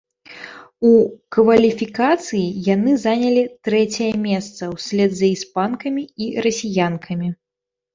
У кваліфікацыі яны занялі трэцяе месца ўслед за іспанкамі і расіянкамі.